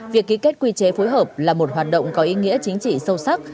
việc ký kết quy chế phối hợp là một hoạt động có ý nghĩa chính trị sâu sắc